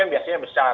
yang biasanya besar